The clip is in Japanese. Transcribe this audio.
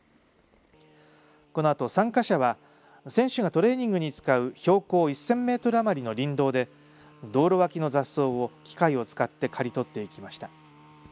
このあと参加者は選手がトレーニングに使う標高１０００メートル余りの林道で道路脇の雑草を機械を使って刈り取っていきました。